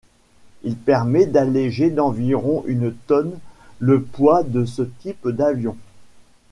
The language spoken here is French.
Il permet d’alléger d'environ une tonne le poids de ce type d'avion.